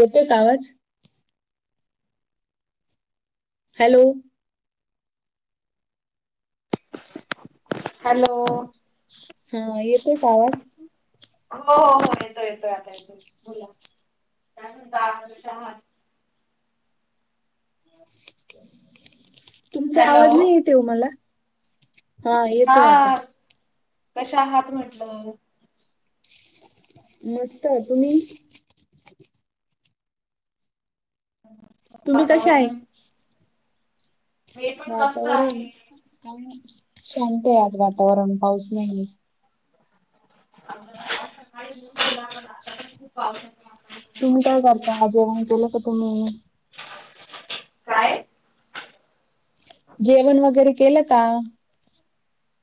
येतोय का आवाज? हॅलो! हॅलो हं येतोय का आवाज? हो हो हो येतोय येतोय आता येतोय बोला [unintelligible] [inaudible] तुमचा आवाज नाही येतय वो मला हा येतोय आता कशा आहात म्हटलं? मस्तय तुम्ही? तुम्ही कशा आहे वातावरण वातावरण शांतय आज वातावरण पाऊस नाहीय आमच्याकडे सकाळीच येऊन गेला पण आता पण खूप पाऊसाच तुम्ही काय करता? जेवण केलं का तुम्ही? [inaudible] काय? जेवण वगैरे केलं का?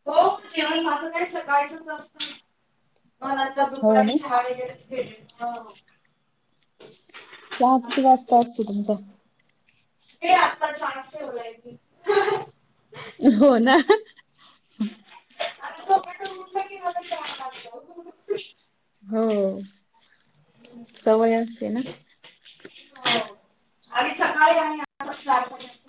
हो जेवण माझं काय सकाळीचच असत मला आता हो दुपारी ना चहा वगैरे [unintelligible] हा चहा किती वाजता असतो तुमचा हे आत्ता चहाच ठेवलाय मी हो ना [unintelligible] हो, सवय असते ना? आणि सकाळी आ [unintelligible]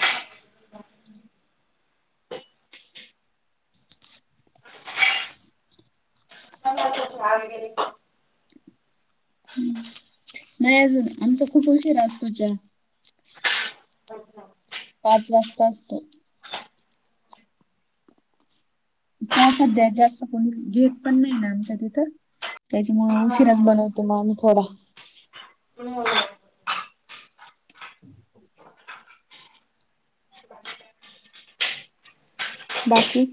[unintelligible] मग होतो चहा वगैर नाही अजून आमचा खूप उशीरा असतो चहा अच्छा पाच वाजता असतो चहा सध्या जास्त कोणी घेत पण नाही ना आमच्या तिथं त्याच्यामुळं उशीराच बनवतो ते आम्ही थोडा [unintelligible] गुड मॉर्निंग बाकी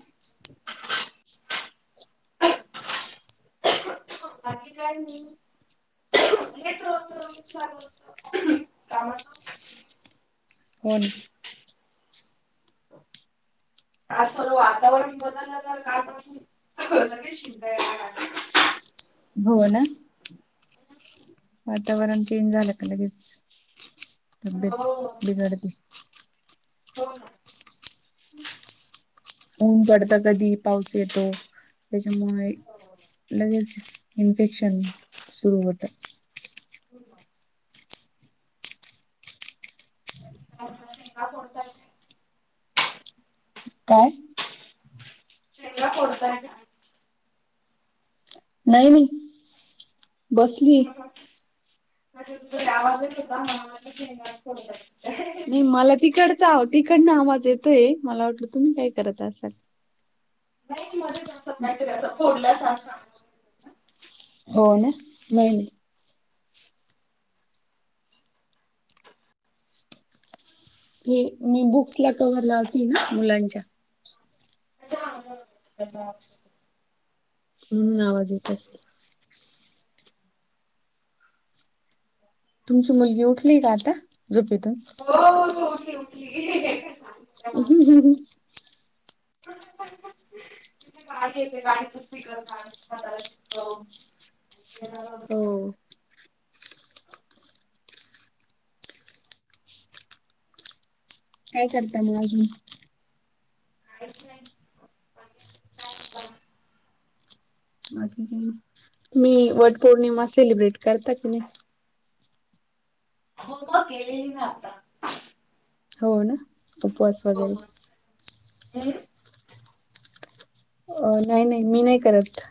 कायी नायी हेच रोजच रोज चालू असतं हो ना! थोड वातावरण बदलंल तर काल पासून लगेच शिकं यायला लागल्या. हो ना! वातावरण चेंज झालं का लगेच तब्येत बिघडते. हो. ऊन पडतं कधी पाऊस येतो त्याच्यामुळे लगेच इन्फेक्शन सुरू होतं. [unintelligible] काय? कोणता आणि [unintelligible] नाही नाही बसलीय. आवाज येत होता मला वाटल शेंगाच फोडतात. नाही मला तिकडचा तिकडनं आवाज येतोय मला वाटलं तुम्ही काय करत असाल. नाही मध्ये [unintelligible] फोडल्या सारखा. हो ना नाही. हे मी बुक्स ला कवर लावतीय ना मुलांच्या [unintelligible] हम्म आवाज येत असेल. तुमची मुलगी उठली का आता झोपेतून? हो हो उठली उठली! ह ह ह [unintelligible] गाडी येते गाडीचं स्टिकर काढ तोंडाला चिटकव. हो काय करता मग अजून. कायच नाही. बाकी काही नाही. तुम्ही वट पौर्णिमा सेलिब्रेट करता की नाही? हो मग केलेली ना आता. हो ना उपवास वगैरे. हम्म! अ नाही नाही मी नाही करत.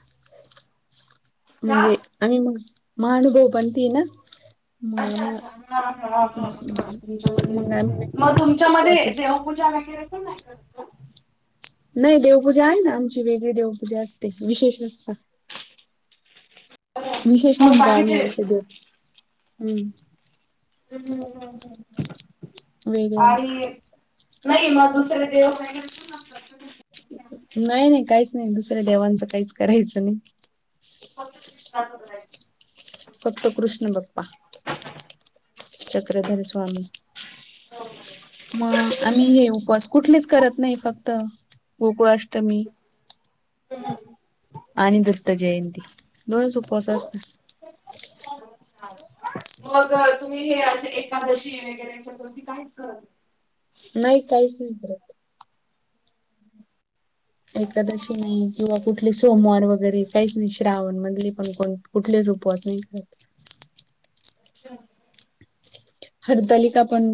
म्हणजे आम्ही मग महानगोपांती ना मग अच्छा आम्हा- अच्छा हा हा आम्ही नाही मग करत तुमच्यामध्ये देव उपवासच पूजा वगैरे पण नाही करत. नाही देवपूजा आहे ना आमची वेगळी देवपूजा असते विशेष नसत. विशेष म्हणतो आम्ही आमचे देव हम्म. हम्म वेगळे असतात आणि नाही मग दुसरे देव काय करता? नाही नाही काहीच नाही दुसऱ्या देवांचं काहीच करायचं नाही. [unintelligible] फक्त कृष्ण बाप्पा चक्रधरी स्वामी. म आम्ही हे उपवास कुठलेच करत नाही फक्त गोकुळाष्टमी. आणि दत्त जयंती दोनच उपवास असतात. मग तुम्ही हे असे एकादशी वगैरे चतुर्थी काहीच करत नाही. नाही काहीच नाही करत. एकादशी नाही किंवा कुठले सोमवार वगैरे काहीच नाही श्रावण मधले पण कोण कुठलेच उपवास नाही करत. अच्छा हरितालिका पण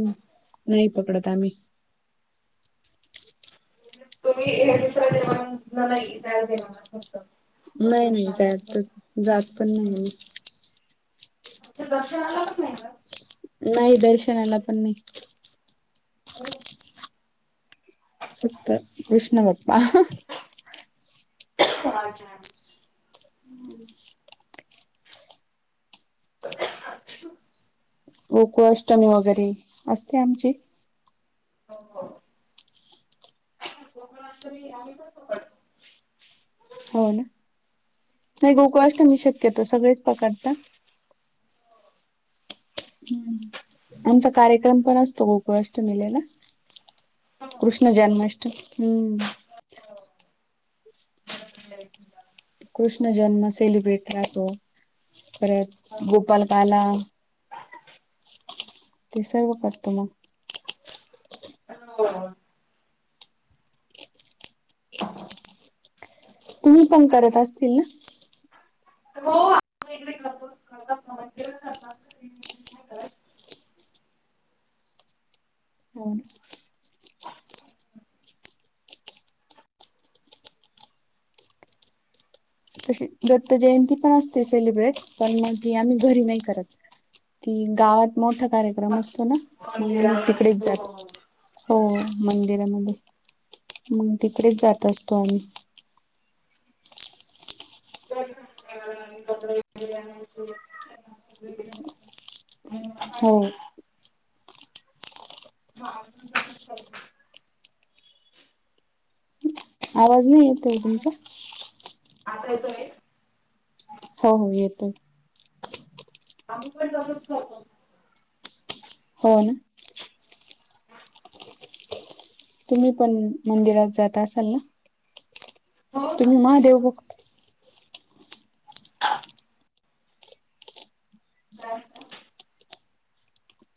नाही पकडत आम्ही तुम्ही दुसरा देवाला नाही त्या देवाला नाही नाही जातच जात पण नाही म्ह दर्शना आला नाही का? नाही दर्शनाला पण नाही? हो. फक्त विष्णू बाप्पा. अच्छा! [unintelligible] गोकुळ अष्टमी वगैरे असते आमची हो हो कोकण पड हो ना नाही गोकुळआष्टमी शक्यतो सगळेच पकता हम्म! आमचा कार्यक्रम पण असतो गोकुळाष्टमेलेला कृष्ण जन्माष्टमी हम्म [unintelligible] कृष्ण जन्म सेलिब्रेट राहतो परत गोपालकाला ते सर्व करतो मग हो तुम्ही पण करत असतील ना. हो ना. तशी दत्त जयंती पण असते सेलिब्रेट, पण मग आम्ही घरी नाही करत. ती गावात मोठा कार्यक्रम असतो ना मग आम्ही तिकडेच जातो. हो मंदिरामध्ये मग तिकडेच जात असतो आम्ही [unintelligible] वग हो आवाज नाही येतो तुमचा आता येतोय हो हो येतोय आम्ही पण तसच करतो हो ना तुम्ही पण मंदिरात जाता असाल ना तुम्ही महादेव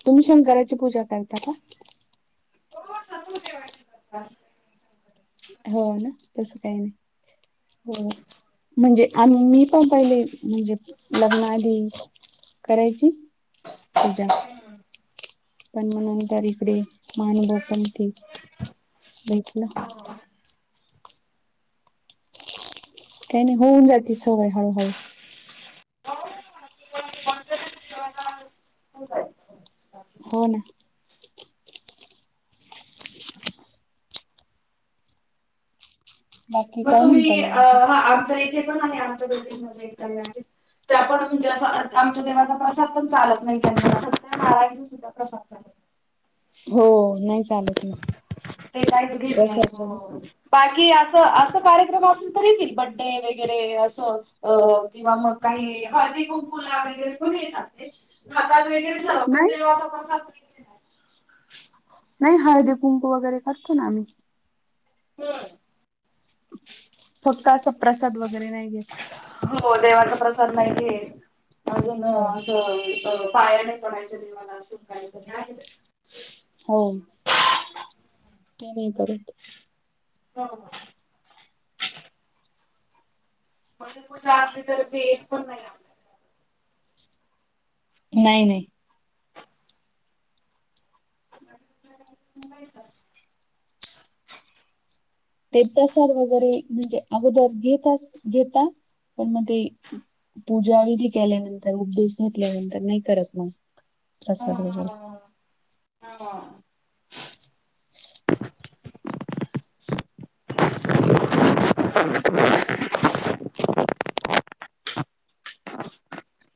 तुम्ही शंकराची पूजा करता का [unintelligible] हो ना तस काही नाही हो म्हणजे आणि मी पण पहिले म्हणजे लग्नआधी करायची पूजा पण मग नंतर इकडे मनुभव पण ते भेटलं. काही नाही होऊन जाते सवय हळूहळू [unintelligible] हो ना बाकी मग काय म्हणता तुम्ही मग अजून आमच्या इथे पण आहे आमच्या बिल्डिंगमध्ये काय आहे त्या पण म्हणजे अस आमच्या देवाचा प्रसाद पण चालत नाही तना [unintelligible] हो नाही चालत ना प्रसाद बाकी असं असं कार्यक्रम असेल तरी बड्डे वगैरे असं अ किंवा मग काही हळदी कुंकू ला वगैरे पण येतात ते खात वगरे पण नाही तेव्हा कस नाही हळदी कुंकू वगैरे करतो ना आम्ही हम्म. फक्त असा प्रसाद वगैरे नाही घेत. हो देवाचा प्रसाद नाहीये अजून. हो होय अ पायाने पणायच्या निवाला असून काय. हो ते नाही करत. ह ह. म्हणजे तू जास् तर भेत पण नाहीय. नाही नाही. येत. [inaudible] ते प्रसाद वगैरे म्हणजे अगोदर घेतच घेता पण मग ते. पूजा विधी केल्यानंतर उपदेश घेतल्यानंतर नाही करत मग हा प्रसाद वगैरे. हा. [inaudible] [inaudible]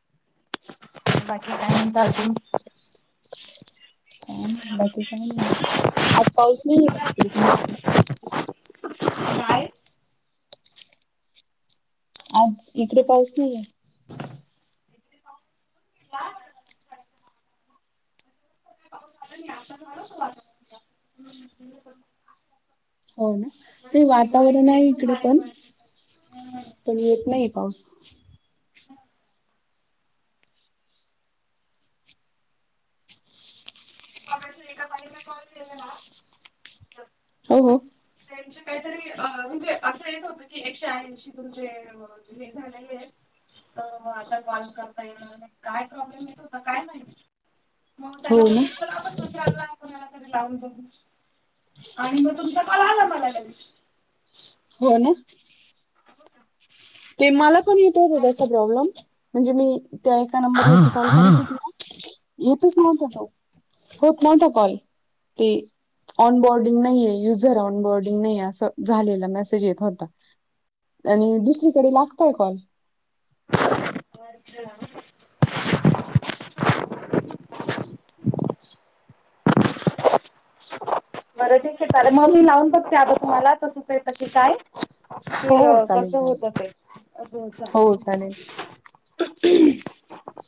बाकी का म्हणता अजून. काय आज पाऊस नाही तिकडे तुमच्या काय? आज इकडे पाऊस नाहीे. झालं नाही आता [unintelligible] हम्. हो ना ते वातावरण आहे इकडे पण. पण येत नाही पाऊस. एका बाईला कॉल केलेला. हो हो. त्यांचे काहीतरी अ म्हणजे असं येत होतं की एकशे ऐंशी तुमचे अ व. हे झालेलं मिळेल. तर आता कॉल करता येल काय प्रॉब्लेम येत होता काय माहिती. मग हो त्याला ना बोलत चला आपण दुसऱ्याला. त जाऊ आणि मग तुमचा कॉल आला लगेच. हो ना. ते मला पण येत होत तसा प्रॉब्लेम म्हणजे मी. त्या एका नंबरवररती कॉल करत होती ना येतच नव्हत चौक. होप कोणता कॉल ते. ऑन बोर्डिंग नाही आहेे युझर ऑन बोर्डिंग नाही असं झालेला मेसेज येत होता. आणि दुसरीकडे लागताय कॉल. अच्छा. बरं ठीक आहे चालेल मग मी लावून बघते अग तुम्हाला तसंच येतं की काय. ते हो अ हो चालेल कसं चालेल होत ते अस ग चाललंय. हो चालेल [inaudible]